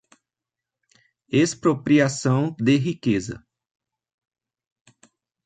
Expropriação de riqueza